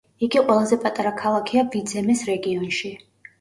იგი ყველაზე პატარა ქალაქია ვიძემეს რეგიონში.